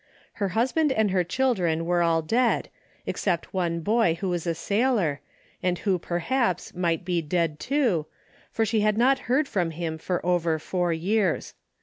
Her husband and her children Avere all dead, except one boy who was a sailor, and who, perhaps, might be dead, too, for she had not heard from him for over four years.